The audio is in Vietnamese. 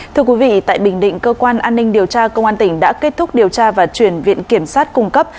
thưa quý vị tại bình định cơ quan an ninh điều tra công an tỉnh đã kết thúc điều tra và chuyển viện kiểm sát cung cấp